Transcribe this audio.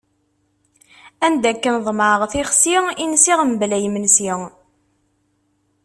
Anda akken ḍemɛeɣ tixsi, i nsiɣ mebla imensi.